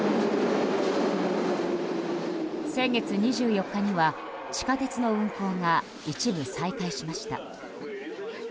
先月２４日には地下鉄の運行が一部再開しました。